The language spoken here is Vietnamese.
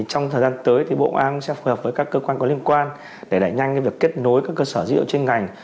trong thời gian tới thì bộ công an sẽ phù hợp với các cơ quan có liên quan để đẩy nhanh việc kết nối các cơ sở dữ liệu trên ngành